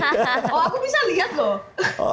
aku bisa lihat loh